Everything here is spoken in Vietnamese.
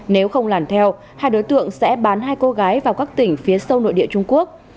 nếu không làm theo hai đối tượng sẽ bán hai cô gái vào các tỉnh phía sâu nội địa trung quốc